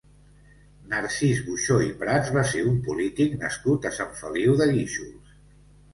Narcís Buxó i Prats va ser un polític nascut a Sant Feliu de Guíxols.